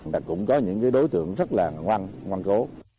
và cũng có những cái đối tượng rất là ngoan cố